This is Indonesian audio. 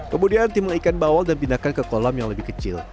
kemudian timang ikan bawal dibindakan ke kolam yang lebih kecil